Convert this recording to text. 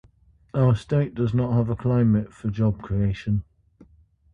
Our state does not have a climate for job creation.